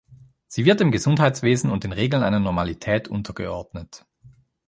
Sie wird dem Gesundheitswesen und den Regeln einer Normalität untergeordnet.